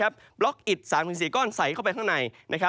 บล็อกอิด๓๔ก้อนใส่เข้าไปข้างใน